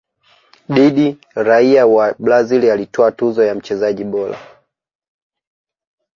Did raia wa brazil alitwaa tuzo ya mchezaji bora